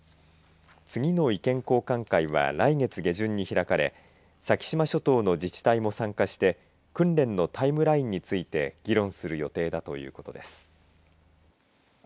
次の意見交換会は来月下旬に開かれ先島諸島の自治体も参加して訓練のタイムラインについて議論する予定だということです。